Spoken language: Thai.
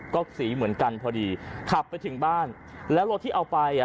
ก็สีเหมือนกันพอดีขับไปถึงบ้านแล้วรถที่เอาไปอ่ะ